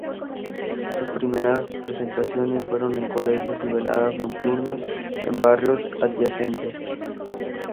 Sus primeras presentaciones fueron en colegios y veladas nocturnas de barrios adyacentes.